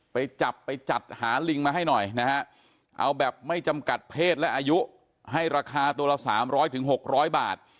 ไปจับไปจัดหาลิงมาให้หน่อยนะฮะเอาแบบไม่จำกัดเพศและอายุให้ราคาตัวละ๓๐๐๖๐๐บาท